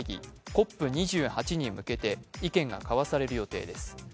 ＣＯＰ２８に向けて意見が交わされる予定です。